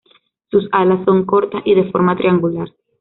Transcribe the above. Sus alas son cortas y de forma triangular.